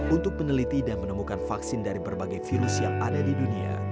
untuk peneliti dan menemukan vaksin dari berbagai virus yang ada di dunia